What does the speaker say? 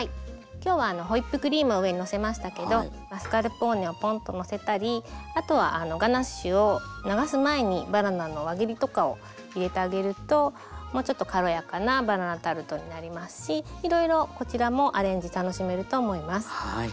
今日はホイップクリームを上にのせましたけどマスカルポーネをポンッとのせたりあとはガナッシュを流す前にバナナの輪切りとかを入れてあげるともうちょっと軽やかなバナナタルトになりますしいろいろこちらもアレンジ楽しめると思います。